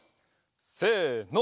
せの！